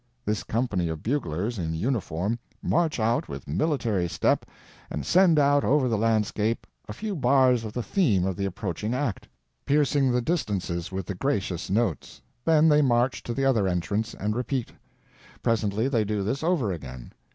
This company of buglers, in uniform, march out with military step and send out over the landscape a few bars of the theme of the approaching act, piercing the distances with the gracious notes; then they march to the other entrance and repeat. Presently they do this over again.